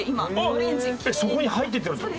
そこに入っていってるんですか？